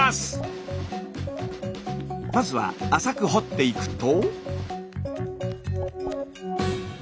まずは浅く掘っていくと。